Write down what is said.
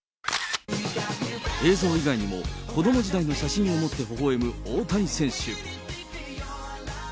映像以外にも、子ども時代の写真を持ってほほえむ大谷選手。